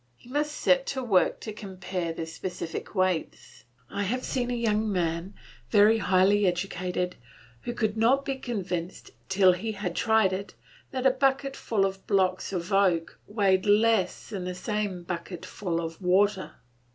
He must set to work to compare their specific weights. I have seen a young man, very highly educated, who could not be convinced, till he had tried it, that a bucket full of blocks of oak weighed less than the same bucket full of water.